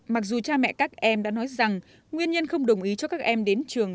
mặc dù cha mẹ các em đã nói rằng nguyên nhân không đồng ý cho các em đến trường